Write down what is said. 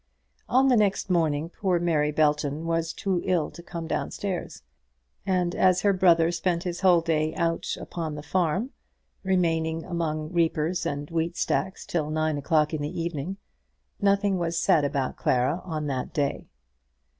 On the next morning poor Mary Belton was too ill to come down stairs; and as her brother spent his whole day out upon the farm, remaining among reapers and wheat stacks till nine o'clock in the evening, nothing was said about Clara on that day.